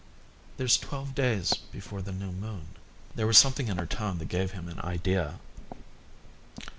"There's twelve days before the new moon." There was something in her tone that gave him an idea.